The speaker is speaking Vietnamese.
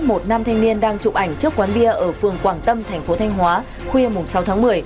một nam thanh niên đang chụp ảnh trước quán bia ở phường quảng tâm thành phố thanh hóa khuya sáu tháng một mươi